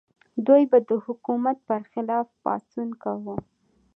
دوی به د حکومت پر خلاف پاڅون کاوه.